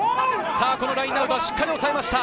このラインアウトはしっかりおさえました。